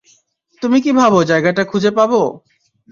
তুমি কি ভাবো জায়গাটা খুঁজে পাব?